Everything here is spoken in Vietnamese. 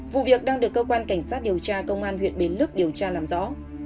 vụ việc đang được cơ quan cảnh sát điều tra công an huyện bến lức điều tra làm rõ